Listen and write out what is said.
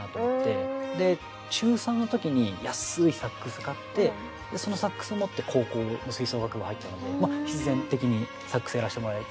で中３の時に安いサックス買ってそのサックスを持って高校の吹奏楽部入ったのでまあ必然的にサックスやらせてもらえた。